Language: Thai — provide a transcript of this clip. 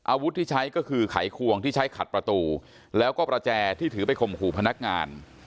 อาวุธที่ใช้ก็คือไขควงที่ใช้ขัดประตูแล้วก็ประแจที่ถือไปข่มขู่พนักงาน